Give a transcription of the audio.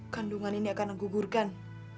kandungan ini akan digugurkan